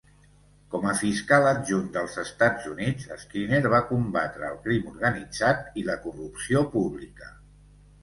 Com a fiscal adjunt dels Estats Units, Skinner va combatre el crim organitzat i la corrupció pública.